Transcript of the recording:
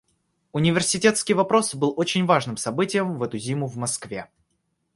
Университетский вопрос был очень важным событием в эту зиму в Москве.